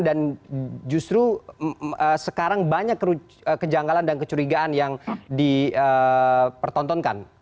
dan justru sekarang banyak kejangkalan dan kecurigaan yang dipertontonkan